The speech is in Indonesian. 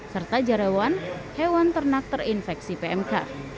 serta jarawan hewan ternak terinfeksi pmk